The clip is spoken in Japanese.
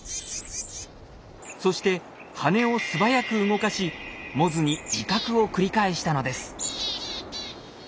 そして羽を素早く動かしモズに威嚇を繰り返したのです。